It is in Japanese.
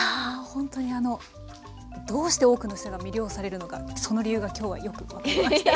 ほんとにあのどうして多くの人が魅了されるのかその理由が今日はよく分かりました。